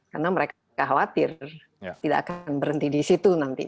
karena mereka khawatir tidak akan berhenti di situ nanti